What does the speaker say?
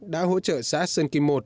đã hỗ trợ xã sơn kim một